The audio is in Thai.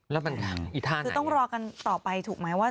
คือต้องรอกันต่อไปถูกไหม